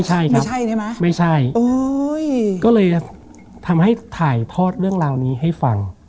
ใช่ไม่ใช่ใช่ไหมไม่ใช่ก็เลยทำให้ถ่ายทอดเรื่องราวนี้ให้ฟัง